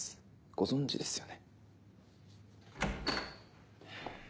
ご存じですよね？